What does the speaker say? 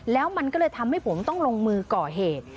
แล้วมันก็เลยทำให้ผมต้องลงมือก่อเหตุ